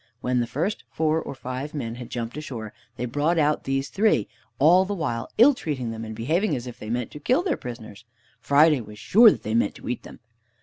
When the first four or five men had jumped ashore, they brought out these three, all the while ill treating them, and behaving as if they meant to kill their prisoners. Friday was sure that they meant to eat them.